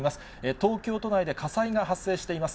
東京都内で火災が発生しています。